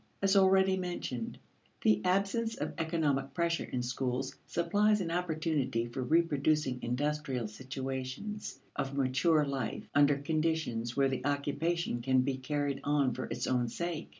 As already mentioned, the absence of economic pressure in schools supplies an opportunity for reproducing industrial situations of mature life under conditions where the occupation can be carried on for its own sake.